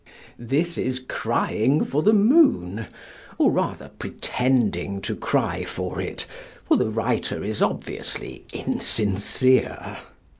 This is crying for the moon, or rather pretending to cry for it, for the writer is obviously insincere.